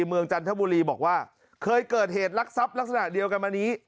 จันทบุรีบอกว่าเคยเกิดเหตุลักษัพลักษณะเดียวกันมานี้